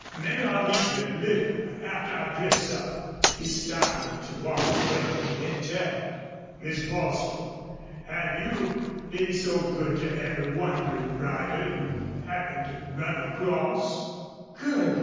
Maybe I'll eat a little, after I dress up." He started to walk away, then turned. "Miss Bostil, have you been so good to every wanderin' rider you happened to run across?" "Good!"